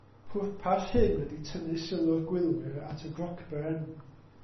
Pwrpas hyn ydy tynnu sylw'r gwyliwr at y grocbren.